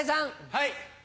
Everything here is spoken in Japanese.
はい。